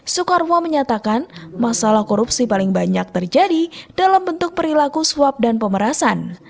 soekarwo menyatakan masalah korupsi paling banyak terjadi dalam bentuk perilaku suap dan pemerasan